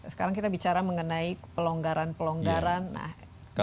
sekarang kita bicara mengenai pelonggaran pelonggaran